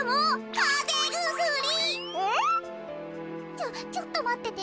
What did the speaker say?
ちょちょっとまってて。